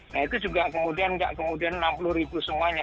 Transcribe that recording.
nah itu juga kemudian tidak kemudian enam puluh ribu semuanya